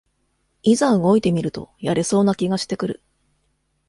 いざ動いてみるとやれそうな気がしてくる